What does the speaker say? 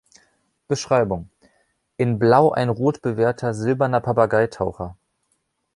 Beschreibung: „In Blau ein rotbewehrter silberner Papageitaucher“.